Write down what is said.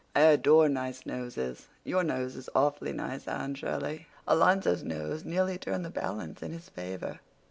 I adore nice noses. Your nose is awfully nice, Anne Shirley. Alonzo's nose nearly turned the balance in his favor.